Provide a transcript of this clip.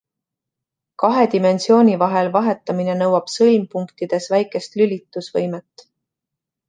Kahe dimensiooni vahel vahetamine nõuab sõlmpunktides väikest lülitusvõimet.